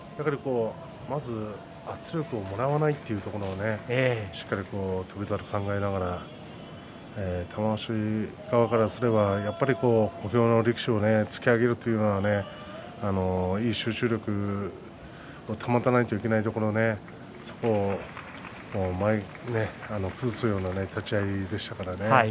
まず圧力をもらわないというところ、しっかり翔猿、考えながら玉鷲側からすればやはり小兵の力士を突き上げるというのは集中力を保たないといけないところそこを崩すような立ち合いでしたからね。